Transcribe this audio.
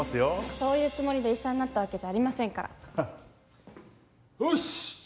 そういうつもりで医者になったわけじゃありませんからよっし！